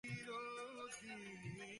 ও ওটাকে ছাড়া বেশিক্ষণ টিকবে না।